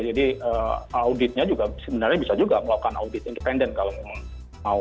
jadi auditnya juga sebenarnya bisa juga melakukan audit independen kalau mau